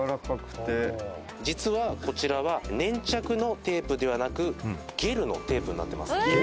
実はこちら粘着のテープではなく、ゲルのテープになっています。